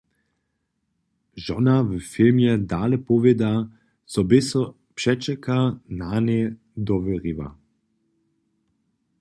Žona w filmje dale powěda, zo bě so přećelka nanej dowěriła.